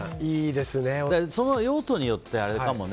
その用途によってかもね。